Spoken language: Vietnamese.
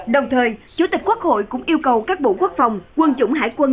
đồng thời chủ tịch quốc hội cũng yêu cầu các bộ quốc phòng quân chủng hải quân